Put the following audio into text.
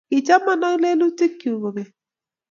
Kichaman ak lelutikchu kobek